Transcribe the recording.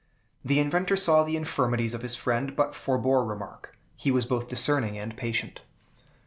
The inventor saw the infirmities of his friend, but forebore remark. He was both discerning and patient.